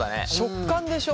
食感でしょ。